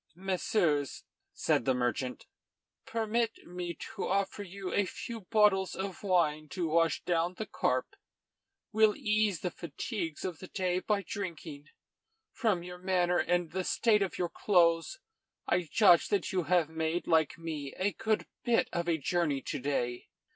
"Messieurs," said the merchant, "permit me to offer you a few bottles of wine to wash down the carp. We'll ease the fatigues of the day by drinking. From your manner and the state of your clothes, I judge that you have made, like me, a good bit of a journey to day."